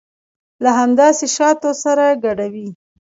له همداسې شاتو سره ګډوي.